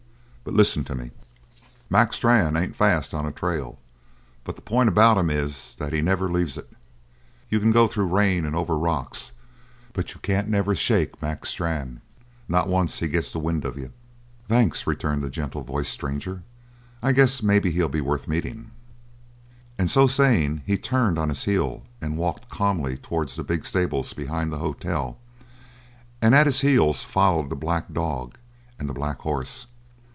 But listen to me: Mac Strann ain't fast on a trail, but the point about him is that he never leaves it! You can go through rain and over rocks, but you can't never shake Mac Strann not once he gets the wind of you." "Thanks," returned the gentle voiced stranger. "I guess maybe he'll be worth meeting." And so saying he turned on his heel and walked calmly towards the big stables behind the hotel and at his heels followed the black dog and the black horse.